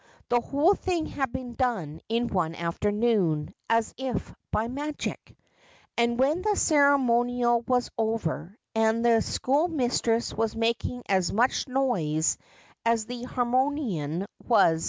The whole thing had been done in one afternoon, is if by magic. And when the ceremonial was over, and the schoolmistress was making as much noise as the harmonium was 356 Just as I Am.